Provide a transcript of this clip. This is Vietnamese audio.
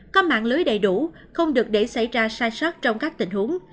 có mạng lưới đầy đủ không được để xảy ra sai sót trong các tình huống